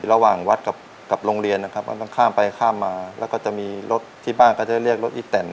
ระหว่างวัดกับโรงเรียนนะครับก็ต้องข้ามไปข้ามมาแล้วก็จะมีรถที่บ้านก็จะเรียกรถอีแตน